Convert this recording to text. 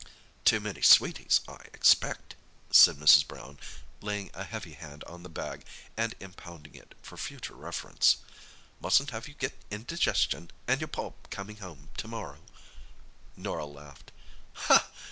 "Too many sweeties, I expect," said Mrs. Brown, laying a heavy hand on the bag and impounding it for future reference. "Mustn't have you get indigestion, an' your Pa comin' home to morrow." Norah laughed.